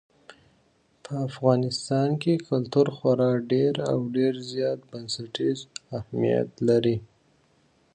په افغانستان کې کلتور خورا ډېر او ډېر زیات بنسټیز اهمیت لري.